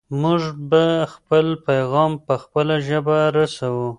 موږ به خپل پیغام په خپله ژبه رسوو.